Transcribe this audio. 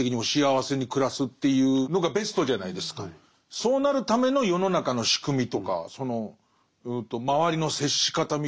そうなるための世の中の仕組みとかその周りの接し方みたいのを。